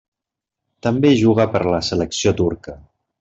També juga per la selecció turca.